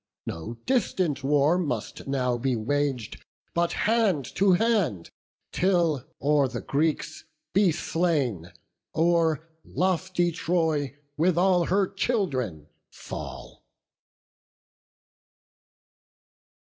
no distant war must now be wag'd, But hand to hand, till or the Greeks be slain, Or lofty Troy, with all her children, fall."